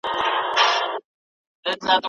د عفوې او بښنې دروازې تل خلاصې پريږدئ.